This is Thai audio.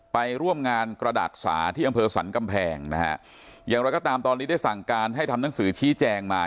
ไปร่วมงานกระดาษสาที่อำเภอสรรกำแพงนะฮะอย่างไรก็ตามตอนนี้ได้สั่งการให้ทำหนังสือชี้แจงมา